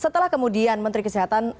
bagaimana kemudian menteri kesehatan